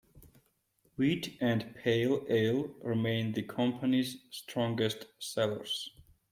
Wheat and Pale Ale remain the company's strongest sellers.